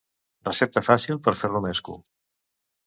Recepta fàcil per fer romesco.